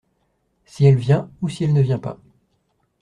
Si elle vient ou si elle ne vient pas.